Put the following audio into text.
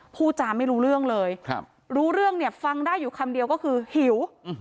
พูดจาไม่รู้เรื่องเลยรู้เรื่องเนี่ยฟังได้อยู่คำเดียวก็คือหิว